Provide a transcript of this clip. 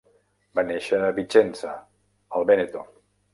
Va néixer a Vicenza, al Vèneto.